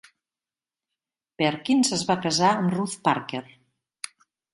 Perkins es va casar amb Ruth Parker.